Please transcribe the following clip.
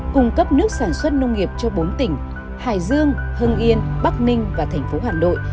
cung cấp nước sản xuất nông nghiệp cho bốn tỉnh hải dương hưng yên bắc ninh và thành phố hà nội